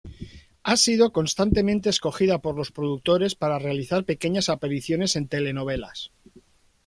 Ha sido constantemente escogida por los productores para realizar pequeñas apariciones en telenovelas.